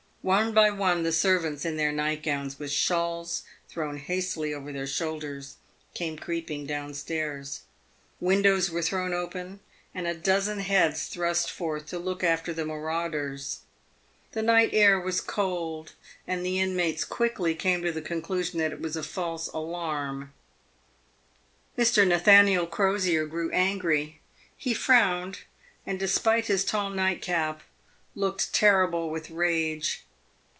One by one the servants, in their nightgowns, with shawls thrown hastily over their shoulders, came creeping down stairs. Windows were thrown open, and a dozen heads thrust forth to look after the marauders. The night air was cold, and the inmates quickly came to the conclusion that it was a false alarm. Mr. Nathaniel Crosier grew angry. He frowned and, despite his tall nightcap, looked terrible with rage.